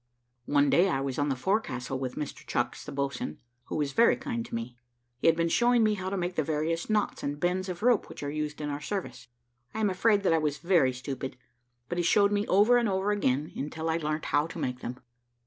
One day I was on the forecastle with Mr Chucks, the boatswain, who was very kind to me. He had been showing me how to make the various knots and bends of rope which are used in our service. I am afraid that I was very stupid, but he showed me over and over again, until I learnt how to make them.